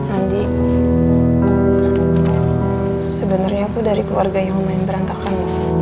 anji sebenernya aku dari keluarga yang lumayan berantakan